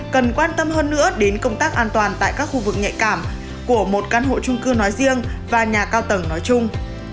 cần quan tâm hơn nữa đến công tác an toàn tại các khu vực nhạy cảm của một căn hộ trung cư nói riêng và nhà cao tầng nói chung